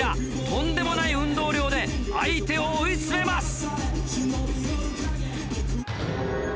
とんでもない運動量で相手を追い詰めます。